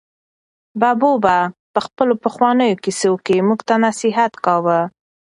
ببو په خپلو پخوانیو کیسو کې موږ ته نصیحت کاوه.